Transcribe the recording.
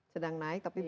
sedang naik tapi belum